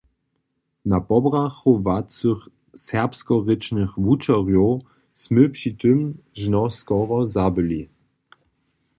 Na pobrachowacych serbskorěčnych wučerjow smy při tym žno skoro zabyli.